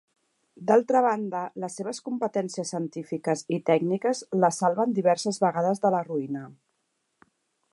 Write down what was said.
D'altra banda, les seves competències científiques i tècniques la salven diverses vegades de la ruïna.